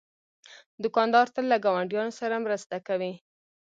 دوکاندار تل له ګاونډیانو سره مرسته کوي.